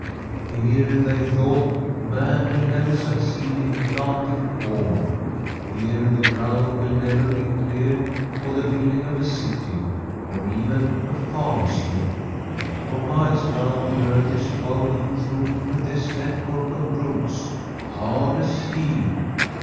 * Here,* they thought, * man will never succeed in planting corn ; here the ground will never be cleared for the building of a city, or even a farmstead. For miles round the earth is woven through with this network of roots, hard as steel.